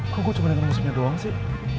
kok gue cuma dengan musiknya doang sih